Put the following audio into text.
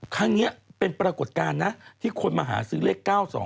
ครั้งนี้เป็นปรากฏการณ์นะที่คนมาหาซื้อเลข๙๒